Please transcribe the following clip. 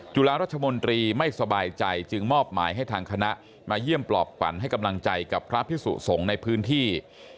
จุฬารัชมนตรีไม่สบายใจจึงมอบหมายให้ทางคณะมาเยี่ยมปลอบขวัญให้กำลังใจกับพระพิสุสงฆ์ในพื้นที่